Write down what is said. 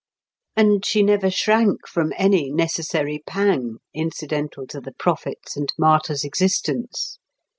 And she never shrank from any necessary pang, incidental to the prophet's and martyr's existence.